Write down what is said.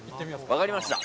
分かりました。